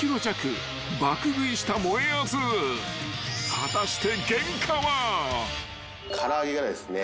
［果たして］